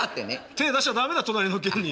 手ぇ出しちゃ駄目だ隣の県に。